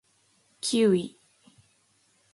キウイ